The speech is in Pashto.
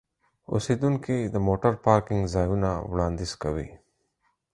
اوسیدونکي د موټر پارکینګ ځایونه وړاندیز کوي.